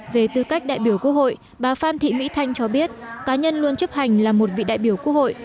về tư cách đại biểu quốc hội bà phan thị mỹ thanh cho biết cá nhân luôn chấp hành là một vị đại biểu quốc hội